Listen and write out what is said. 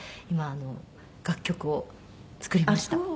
今あの楽曲を作りました。